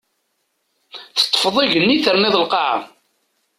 Teṭṭfeḍ igenni terniḍ lqaɛa!